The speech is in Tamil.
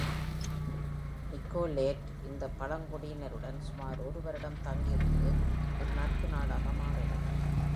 நிக்கோலெட் இந்த பழங்குடியினருடன் சுமார் ஒரு வருடம் தங்கியிருந்து, ஒரு நட்பு நாடாக மாறினார்.